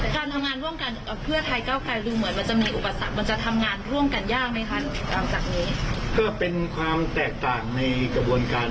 ก็คุยกันได้แต่ยังไงก็ตาม